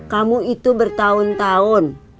kamu itu bertahun tahun